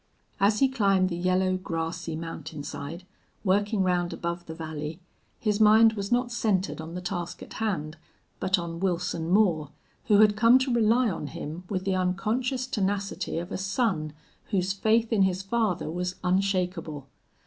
As he climbed the yellow, grassy mountain side, working round above the valley, his mind was not centered on the task at hand, but on Wilson Moore, who had come to rely on him with the unconscious tenacity of a son whose faith in his father was unshakable.